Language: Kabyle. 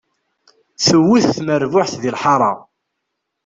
Tewwet tmerbuḥt di lḥaṛa.